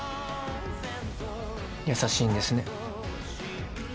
優しいんですね。